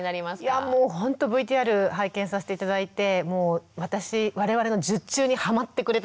いやもうほんとＶＴＲ拝見させて頂いてもう私我々の術中にはまってくれたという。